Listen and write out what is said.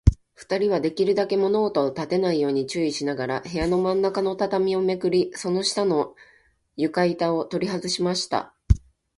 ふたりは、できるだけ物音をたてないように注意しながら、部屋のまんなかの畳をめくり、その下の床板ゆかいたをとりはずしました。